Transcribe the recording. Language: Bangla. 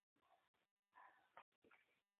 এমন সাধুচরিত্রের লোক দেখা যায় না।